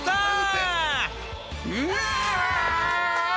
「うわ！」